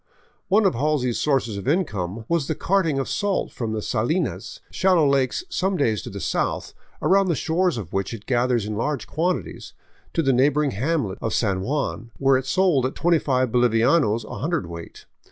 One of Halsey's sources of income was the carting of salt from the salinas, shal low lakes some days to the south, around the shores of which it gathers in large quantities, to the neighboring hamlet of San Juan, where it sold at 25 boHvianos a hundred weight.